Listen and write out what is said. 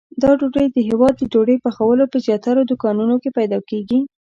دا ډوډۍ د هیواد د ډوډۍ پخولو په زیاترو دوکانونو کې پیدا کېږي.